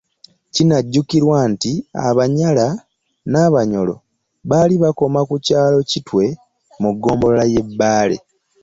Kinajjukirwa nti Abanyala n’Abanyolo baali bakoma ku kyalo Kitwe mu ggombolola y’e Bbaale.